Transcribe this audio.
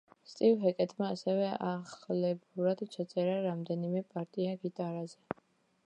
სტივ ჰეკეტმა ასევე ახლებურად ჩაწერა რამდენიმე პარტია გიტარაზე.